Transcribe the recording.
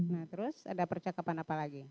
nah terus ada percakapan apa lagi